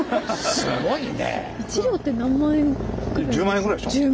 すごいよね。